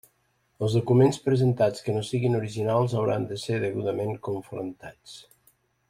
Els documents presentats que no siguen originals hauran de ser degudament confrontats.